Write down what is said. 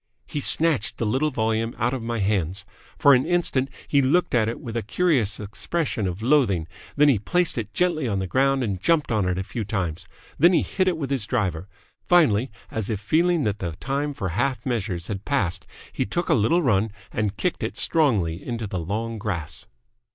He snatched the little volume out of my hands. For an instant he looked at it with a curious expression of loathing, then he placed it gently on the ground and jumped on it a few times. Then he hit it with his driver. Finally, as if feeling that the time for half measures had passed, he took a little run and kicked it strongly into the long grass.